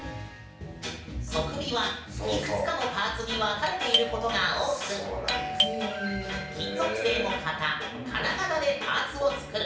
ソフビはいくつかのパーツに分かれていることが多く金属製の型金型でパーツを作る。